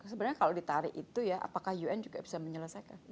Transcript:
sebenarnya kalau ditarik itu ya apakah un juga bisa menyelesaikan